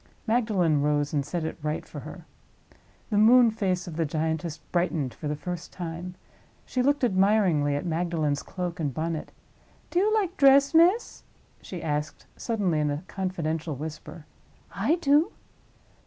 Magdalen rose, and set it right for her. The moon face of the giantess brightened for the first time. She looked admiringly at Magdalen's cloak and bonnet. "Do you like dress, miss?" she asked, suddenly, in a confidential whisper. "I do."